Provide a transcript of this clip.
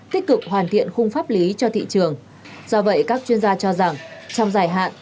tích cực hoàn thiện khung pháp lý cho thị trường do vậy các chuyên gia cho rằng trong dài hạn